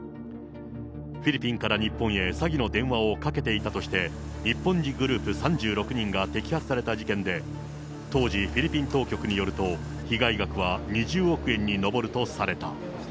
フィリピンから日本へ詐欺の電話をかけていたとして、日本人グループ３６人が摘発された事件で、当時フィリピン当局によると、被害額は２０億円に上るとされた。